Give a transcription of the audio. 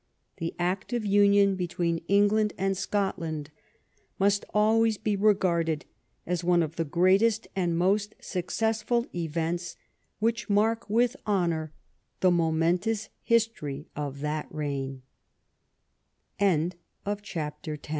The act of union between England and Scotland must always be regarded as one of the greatest and most successful events which mark with honor the momentous hist